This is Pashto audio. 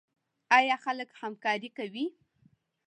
آیا خلک همکاري کوي؟